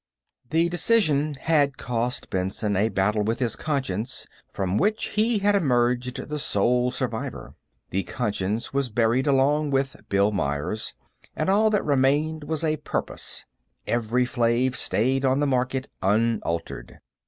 The decision had cost Benson a battle with his conscience from which he had emerged the sole survivor. The conscience was buried along with Bill Myers, and all that remained was a purpose. Evri Flave stayed on the market unaltered.